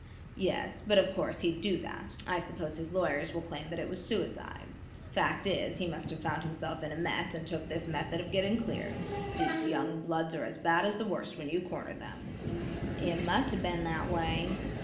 "Yes; but of course, he'd do that. I suppose his lawyers will claim that it was suicide. Fact is, he must have found himself in a mess and took this method of getting clear. These young bloods are as bad as the worst when you corner them." "It must have been that way.